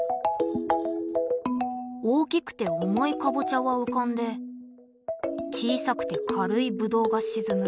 大きくて重いかぼちゃは浮かんで小さくて軽いぶどうが沈む。